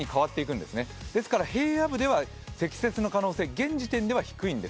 ですから、平野部では積雪の可能性現時点では低いんです。